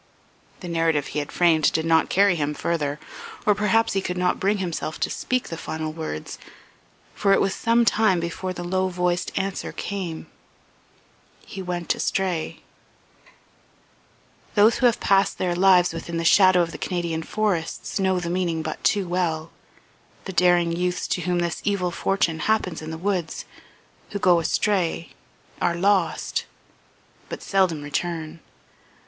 The narrative he had framed did not carry him further, or perhaps he could not bring himself to speak the final words, for it was some time before the low voiced answer came "He went astray ..." Those who have passed their lives within the shadow of the Canadian forests know the meaning but too well. The daring youths to whom this evil fortune happens in the woods, who go astray are lost but seldom return.